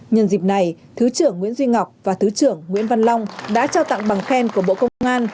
nhân dịp này thứ trưởng nguyễn duy ngọc và thứ trưởng nguyễn văn long đã trao tặng bằng khen của bộ công an